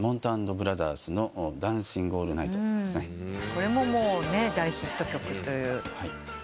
これももうね大ヒット曲ということで。